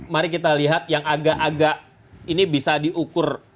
mari kita lihat yang agak agak ini bisa diukur